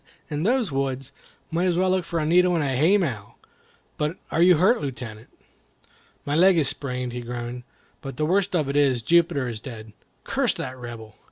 in those woods? Might as well look for a needle in a haymow. But are you hurt, Lieutenant?" "My leg is sprained," he groaned; "but the worst of it is, Jupiter is dead. Curse that Rebel!